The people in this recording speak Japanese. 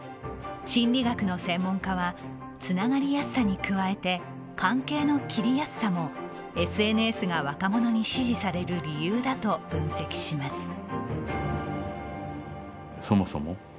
心理学の専門家はつながりやすさに加えて関係の切りやすさもＳＮＳが若者に支持される理由だと分析します。